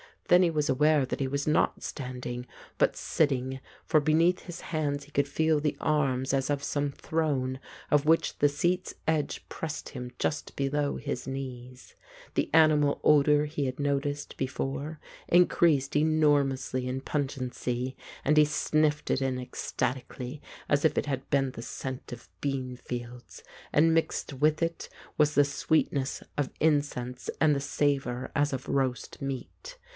Then he was aware that he was not stand ing, but sitting, for beneath his hands he could feel the arms as of some throne, of which the seat's edge pressed him just below his knees. The animal odour he had noticed before increased enormously in pun gency, and he sniffed it in ecstatically, as if it had been the scent of beanfields, and mixed with it was the sweetness of incense and the savour as of roast meat.